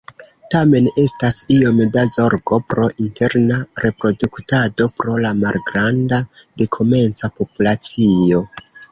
Tamen, estas iom da zorgo pro interna reproduktado pro la malgranda dekomenca populacio.